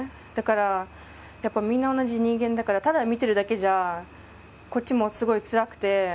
だから、みんな同じ人間だからただ見ているだけじゃこっちもすごいつらくて。